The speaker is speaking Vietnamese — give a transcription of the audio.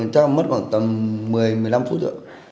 trong mất khoảng tầm một mươi một mươi năm phút rồi